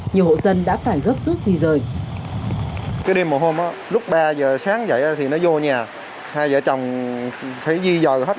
nhiều hộ dân đã phải gấp rút di rời